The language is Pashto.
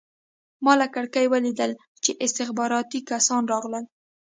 ما له کړکۍ ولیدل چې استخباراتي کسان راغلل